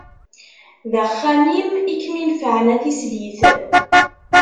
D axxam-im i kem-inefεen, a tislit.